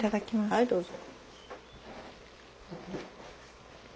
はいどうぞ。